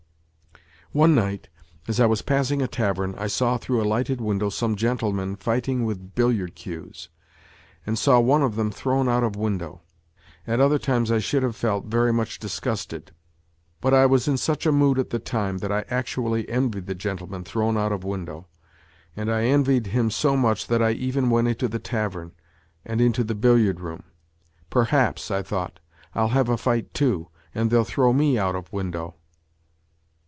One night as I was passing a tavern I saw through a lighted window some gentlemen fighting with billiard cues, and saw one of them thrown out of window. At other times I should have felt very much disgusted, but I was in such a mood at the time, that I actually envied the gentleman thrown out of window and I envied him so much that I even went into the tavern and into the billiard room. " Perhaps," I thought, " I'll have a fight, too, and they'll throw me out of window."